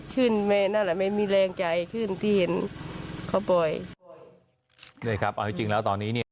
ชื่นแม่นั่นแหละไม่มีแรงใจขึ้นที่เห็นเขาปล่อย